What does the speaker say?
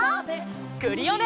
クリオネ！